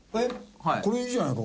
これいいじゃないか。